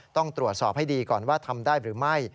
ต้องตรวจสอบให้ดีก่อนว่าทำได้หรือไม่